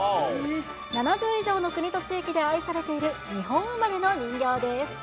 ７０以上の国と地域で愛されている日本生まれの人形です。